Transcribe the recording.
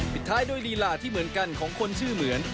ปิดท้ายด้วยลีลาที่เหมือนกันของคนชื่อเหมือน